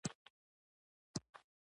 هم عشقيه شاعرۍ باندې مشتمل دي ۔